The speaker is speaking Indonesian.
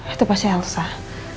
itu pasti yang susah